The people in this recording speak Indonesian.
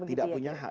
tidak punya hak